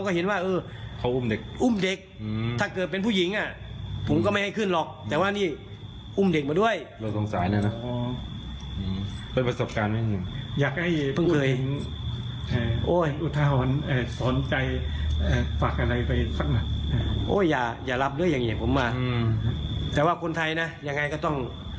โอ้ยอย่ารับด้วยอย่างผมว่าแต่ว่าคนไทยนะยังไงก็ต้อง